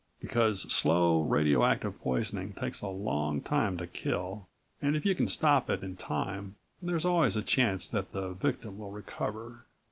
because slow, radio active poisoning takes a long time to kill and if you can stop it in time there's always a chance that the victim will recover.